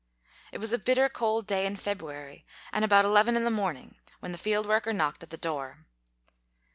It was a bitter, cold day in February and about eleven in the morning when the field worker knocked at the door.